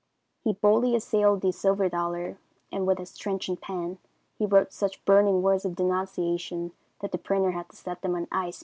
He boldly assailed the silver dollar, and with his trenchant pen he wrote such burning words of denunciation that the printer had to set them on ice before he could use the copy.